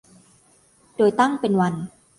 โดยตั้งเป็นวัน